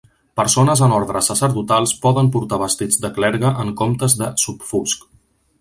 Persones en ordres sacerdotals poden portar vestits de clergue en comptes de "subfusc".